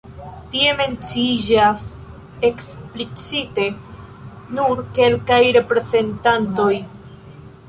Tie menciiĝas eksplicite nur kelkaj reprezentantoj.